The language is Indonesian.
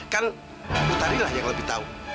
kan butari lah yang lebih tahu